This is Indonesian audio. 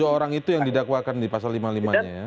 tujuh orang itu yang didakwakan di pasal lima puluh lima nya ya